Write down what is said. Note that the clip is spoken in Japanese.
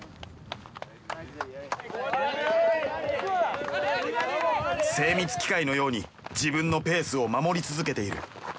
精密機械のように自分のペースを守り続けている。